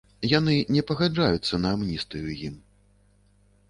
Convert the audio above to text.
Яны не пагаджаюцца на амністыю ім.